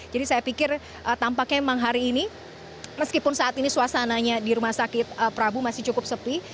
jadi saya pikir tampaknya memang hari ini meskipun saat ini suasananya di rumah sakit prabu masih cukup sepi